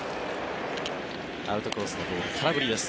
アウトコースのボール空振りです。